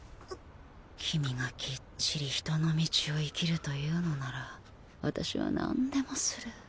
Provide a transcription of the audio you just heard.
君がきっちり人の道を生きると言うのなら私は何でもする。